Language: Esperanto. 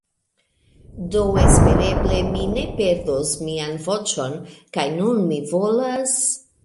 Do espereble mi ne perdos mian voĉon kaj nun mi volas...